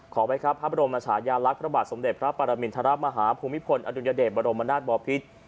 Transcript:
ไว้ครับพระบรมชายาลักษณ์พระบาทสมเด็จพระปรมินทรมาฮาภูมิพลอดุญเดชบรมนาศบอพิษ